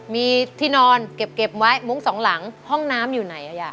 มีที่นอนเก็บไว้มุ้งสองหลังห้องน้ำอยู่ไหน